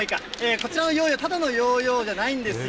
こちらのヨーヨー、ただのヨーヨーではないんですよ。